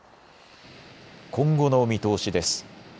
今後の見通しです。